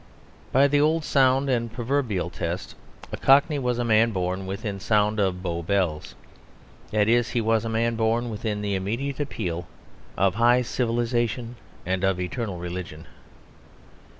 By the old sound and proverbial test a Cockney was a man born within the sound of Bow bells. That is, he was a man born within the immediate appeal of high civilisation and of eternal religion.